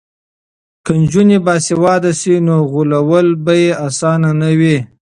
که نجونې باسواده شي نو غولول به یې اسانه نه وي.